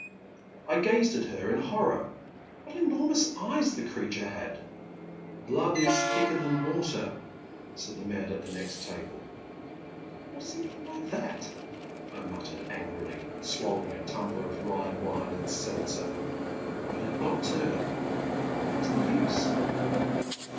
I gazed at her in horror. What enormous eyes the creature had I «3 354 ^^^^^^^^ Next TaJbU. '' Blood is thicker than water/' said the man at the next table. '' What does he mean by that ?" I mattered, angrily swallowing a tumbler of Rhine wine and seltzer. But I did not turn. What was the use